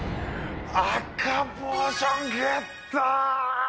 赤ポーションゲット！